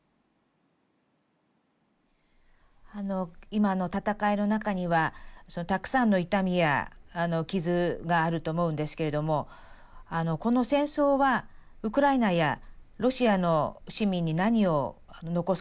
今の戦いの中にはたくさんの痛みや傷があると思うんですけれどもこの戦争はウクライナやロシアの市民に何を残すことになるんでしょうか？